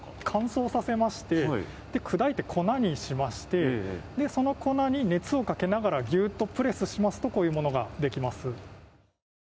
乾燥させまして砕いて、粉にしましてその粉に熱をかけながらギュッとプレスしますとこういうものができます。